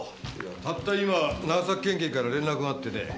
たった今長崎県警から連絡があってね